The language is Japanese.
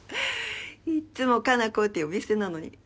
いっつも加奈子って呼び捨てなのに。